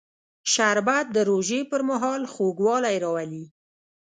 شربت د روژې پر مهال خوږوالی راولي